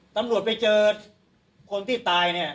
ตำรวจไปเจอคนที่ตายเนี่ย